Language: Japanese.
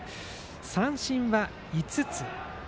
三振は５つ。